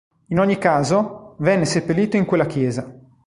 In ogni caso, venne seppellito in quella chiesa.